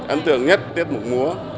ấn tượng nhất tiết mục múa